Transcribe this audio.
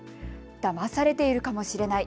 だまされているかもしれない。